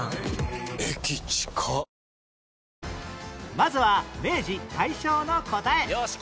まずは明治・大正の答え